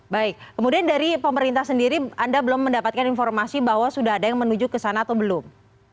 baik kemudian dari pemerintah sendiri anda belum mendapatkan informasi bahwa sudah ada yang menuju ke sana atau belum